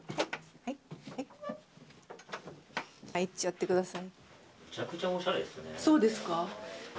入っちゃってください。